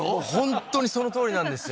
本当にそのとおりなんですよ